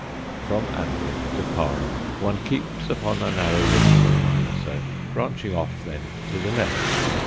From Amberley to Parham one keeps upon the narrow ridge for a mile or so, branching off then to the left.